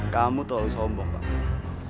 kamu terlalu sombong vaksin